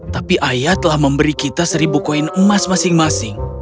tapi ayah telah memberi kita seribu koin emas masing masing